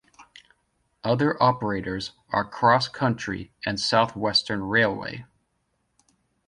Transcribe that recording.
Other operators are CrossCountry and South Western Railway.